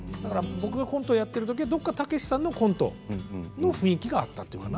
コントをやってるときたけしさんのコントの雰囲気があったというか。